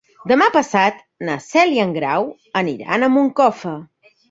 Demà passat na Cel i en Grau aniran a Moncofa.